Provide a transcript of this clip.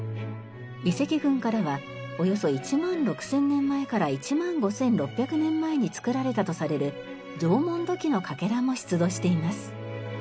遺跡群からはおよそ１万６０００年前から１万５６００年前に作られたとされる縄文土器のかけらも出土しています。